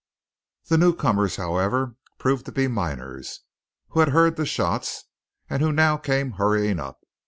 The newcomers, however, proved to be miners, who had heard the shots, and who now came hurrying up.